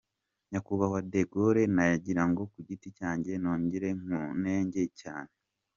Nyakubahwa De Gaulle nagira ngo ku giti cyanjye nongere nkunenge cyane!